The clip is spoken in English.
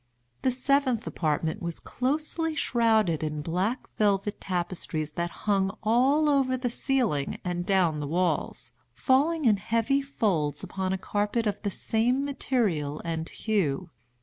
The seventh apartment was closely shrouded in black velvet tapestries that hung all over the ceiling and down the walls, falling in heavy folds upon a carpet of the same material and hue.